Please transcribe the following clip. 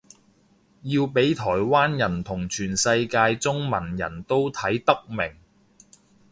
要畀台灣人同全世界中文人都睇得明